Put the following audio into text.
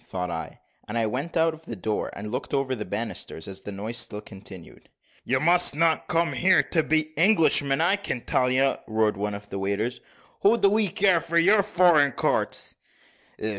thought I: and I went out of the door and looked over the banisters, as the noise still continued. "You must not come here to beat Englishmen, I can tell you," roared one of the waiters. "What do we care for your foreign counts?"